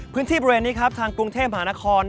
พื้นที่บริเวณนี้ครับทางกรุงเทพมหานคร